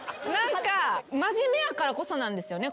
真面目やからこそなんですよね。